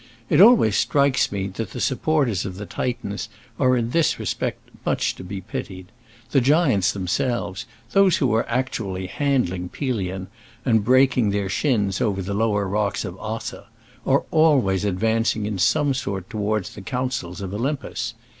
It always strikes me that the supporters of the Titans are in this respect much to be pitied. The giants themselves, those who are actually handling Pelion and breaking their shins over the lower rocks of Ossa, are always advancing in some sort towards the councils of Olympus.